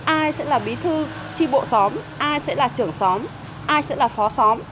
ai sẽ là bí thư tri bộ xóm ai sẽ là trưởng xóm ai sẽ là phó xóm